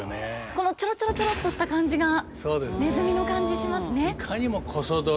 このチョロチョロチョロっとした感じがネズミの感じしますね。